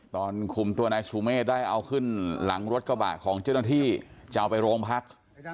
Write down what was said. ตอนคุมตัวนายสุเมฆได้เอาขึ้นหลังรถกระบะของเจ้าหน้าที่จะเอาไปโรงพัก